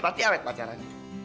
pasti awet pacaran